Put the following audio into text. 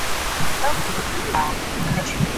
现在使用的图瓦语用一种俄语字母的变体书写。